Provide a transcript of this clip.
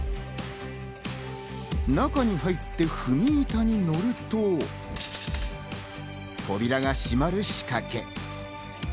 中に入って踏み板に乗ると、扉が閉まる仕掛け。